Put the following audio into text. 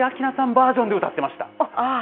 バージョンで歌ってました。